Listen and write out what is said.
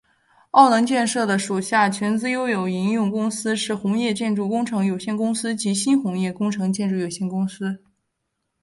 澳能建设的属下全资拥有营运公司是鸿业建筑工程有限公司及新鸿业工程建筑有限公司。